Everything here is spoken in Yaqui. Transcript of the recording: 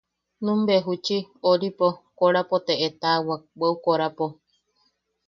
Numbe juchi... oripo... korapo te etawak, bweʼu korapo.